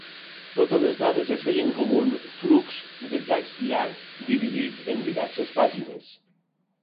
Totes les dades es veien com un "flux" de text llarg dividit en diverses pàgines.